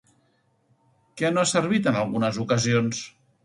Què no ha fet servir en algunes ocasions?